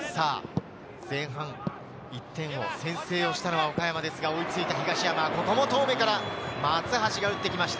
前半１点を先制したのは岡山ですが追いついた東山、ここも遠目から松橋が打ってきました。